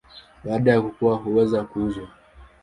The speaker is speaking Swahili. Baada ya kukua huweza kuuzwa.